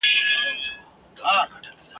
چي بل چاته څوک کوهی کیني ورلویږي ..